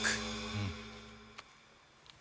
うん！